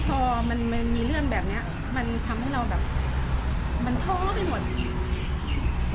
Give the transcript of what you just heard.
แล้วทีนี้พอมันมีเรื่องแบบเนี้ยมันทำให้เราแบบมันโทรไปหมด